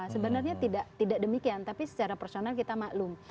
sebenarnya tidak demikian tapi secara personal kita maklum